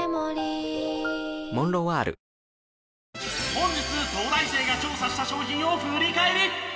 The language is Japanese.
本日東大生が調査した商品を振り返り！